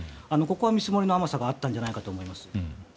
ここは見積もりの甘さがあったんじゃないかと思います。